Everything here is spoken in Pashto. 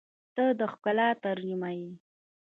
• ته د ښکلا ترجمه یې.